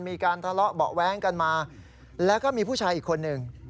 มีการทะเลาะเบาะแว้งกันมาแล้วก็มีผู้ชายอีกคนหนึ่ง